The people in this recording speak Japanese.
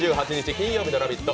金曜日の「ラヴィット！」。